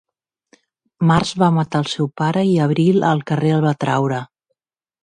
Març va matar el seu pare i abril al carrer el va traure.